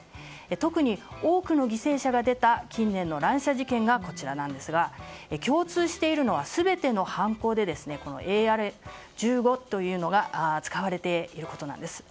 特に多くの犠牲者が出た近年の乱射事件がこちらなんですが共通しているのは全ての犯行でＡＲ１５というのが使われていることなんです。